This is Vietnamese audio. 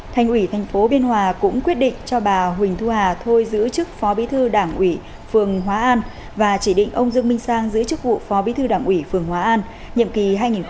thành ủy thành phố biên hòa cũng quyết định cho bà huỳnh thu hà thôi giữ chức phó bí thư đảng ủy phường hóa an và chỉ định ông dương minh sang giữ chức vụ phó bí thư đảng ủy phường hóa an nhiệm kỳ hai nghìn một mươi năm hai nghìn hai mươi